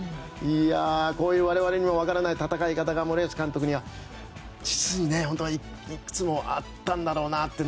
こういう我々にも分からない戦い方が森保監督の中にはいくつもあったんだろうなって。